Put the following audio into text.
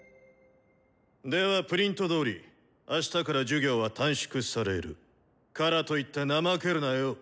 ではプリントどおりあしたから授業は短縮されるからといって怠けるなよ。